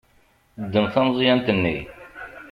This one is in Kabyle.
Ddem tameẓyant-nni.